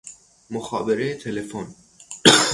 مخابره تلفن